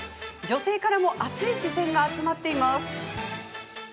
女性からも熱い視線が集まっています。